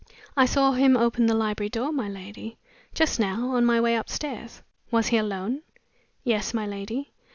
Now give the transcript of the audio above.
"I saw him open the library door, my lady, just now, on my way upstairs." "Was he alone?" "Yes, my lady."